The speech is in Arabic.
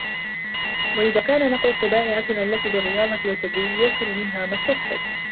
وَإِنْ كَانَ نَقْلُ الطِّبَاعِ عَسِرًا لَك بِالرِّيَاضَةِ وَالتَّدْرِيجِ يَسْهُلُ مِنْهَا مَا اُسْتُصْعِبَ